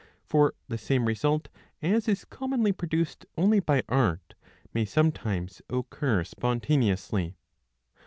For the same result as is commonly produced only by art may sometimes occur spontaneously.